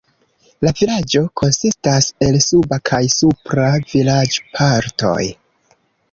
La vilaĝo konsistas el suba kaj supra vilaĝpartoj.